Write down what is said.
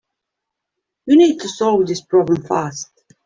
We need to solve this problem fast.